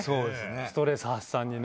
ストレス発散にね。